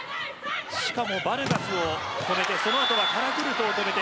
しかもバルガスを止めてその後はカラクルトを止めて。